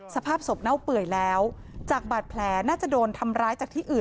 สภาพศพเน่าเปื่อยแล้วจากบาดแผลน่าจะโดนทำร้ายจากที่อื่น